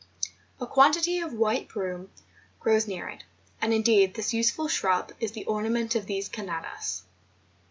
A quantity of white broom grows near it; and indeed this useful shrub is the ornament of these Canadas.